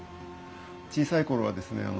小さい頃はですね